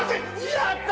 やった！